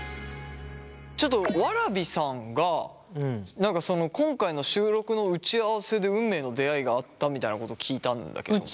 ちょっとわらびさんが何かその今回の収録の打ち合わせで運命の出会いがあったみたいなことを聞いたんだけども。